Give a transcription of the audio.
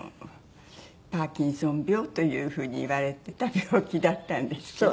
パーキンソン病という風にいわれてた病気だったんですけど。